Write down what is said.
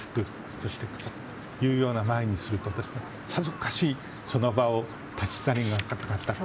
そして、靴というようなものを前にするとさぞかしその場を立ち去りがたかったかと。